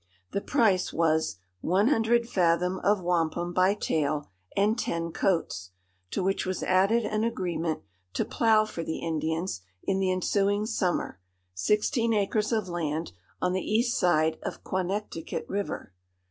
The price was "one hundred fathom of wampum by tale, and ten coats," to which was added an agreement to plough for the Indians, in the ensuing summer, sixteen acres of land on the east side of Quonnecticut River.